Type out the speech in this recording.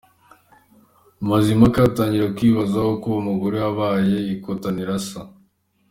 Mazimpaka atangira kwibaza uko uwo mugore wabaye ikotaniro asa.